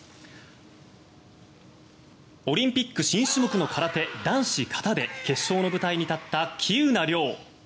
オリンピック新種目の空手男子、形で決勝の舞台に立った喜友名諒。